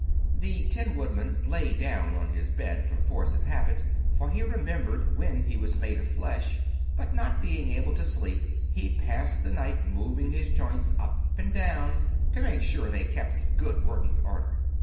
The Tin Woodman lay down on his bed from force of habit, for he remembered when he was made of flesh; but not being able to sleep, he passed the night moving his joints up and down to make sure they kept in good working order.